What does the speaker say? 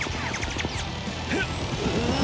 フッ！